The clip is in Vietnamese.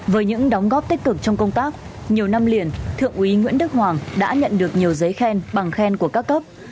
với những đóng góp tích cực trong công tác nhiều năm liền thượng úy nguyễn đức hoàng đã nhận được nhiều giấy khen bằng khen của các cấp